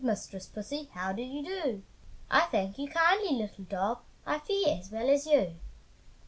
Mistress Pussy, how do you do?" "I thank you kindly, little dog, I fare as well as you!"